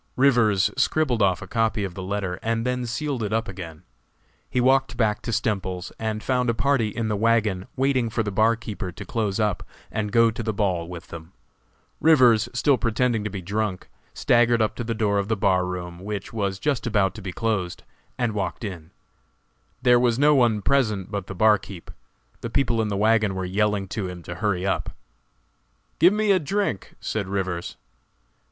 Rivers scribbled off a copy of the letter and then sealed it up again. He walked back to Stemples's and found a party in the wagon waiting for the barkeeper to close up and go to the ball with them. Rivers, still pretending to be drunk, staggered up to the door of the bar room, which was just about to be closed, and walked in. There was no one present but the barkeeper; the people in the wagon were yelling to him to hurry up. "Give me a drink," said Rivers.